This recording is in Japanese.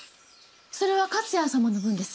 それは勝谷様の分です。